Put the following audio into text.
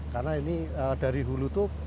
karena ini dari hulu itu